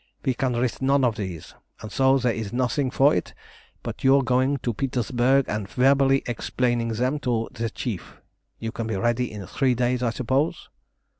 "We can risk none of these, and so there is nothing for it but your going to Petersburg and verbally explaining them to the Chief. You can be ready in three days, I suppose?"